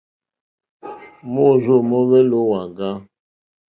Môrzô móhwélì ó wàŋgá.